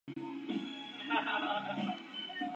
usted parte